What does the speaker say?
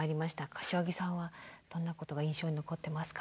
柏木さんはどんなことが印象に残ってますか？